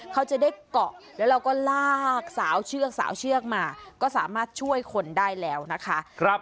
เขาจะได้เกาะแล้วเราก็ลากสาวเชือกสาวเชือกมาก็สามารถช่วยคนได้แล้วนะคะ